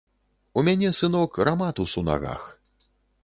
У мяне, сынок, раматус у нагах.